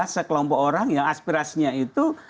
sekelompok orang yang aspirasinya itu